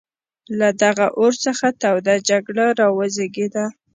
له دغه اور څخه توده جګړه را وزېږېده.